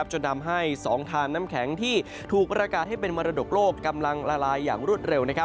จนทำให้๒ทานน้ำแข็งที่ถูกประกาศให้เป็นมรดกโลกกำลังละลายอย่างรวดเร็ว